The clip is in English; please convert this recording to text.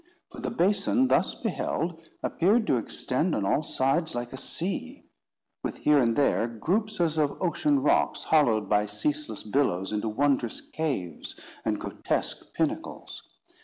For the basin, thus beheld, appeared to extend on all sides like a sea, with here and there groups as of ocean rocks, hollowed by ceaseless billows into wondrous caves and grotesque pinnacles.